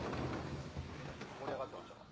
「盛り上がってましたか？」